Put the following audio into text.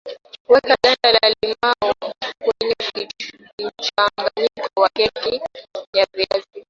weka ganda la limao kenye mchanganyiko wa keki ya viazi